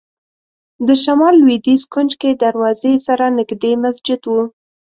د شمال لوېدیځ کونج کې دروازې سره نږدې مسجد و.